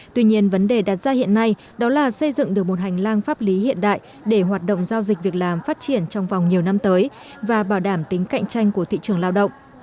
tuy nhiên vấn đề đặt ra hiện nay đó là xây dựng được một hành lang pháp lý hiện đại để hoạt động giao dịch việc làm phát triển trong vòng nhiều năm tới và bảo đảm tính cạnh tranh của thị trường lao động